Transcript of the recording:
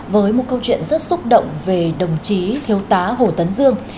với một câu chuyện rất xúc động về đồng chí thiếu tá hồ tấn dương